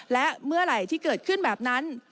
และเมื่อไหร่ที่เกิดขึ้นแบบนั้น